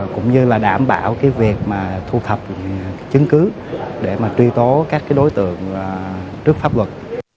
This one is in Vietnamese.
cũng như là đảm bảo việc thu thập chứng cứ để truy tố các đối tượng trước pháp luật